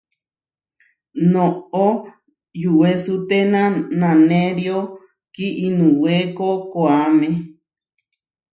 Noʼó yuwesuténa naʼnério kiinuwéko koʼáme.